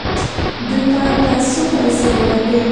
دوی پر پیسو پیسې وګټي.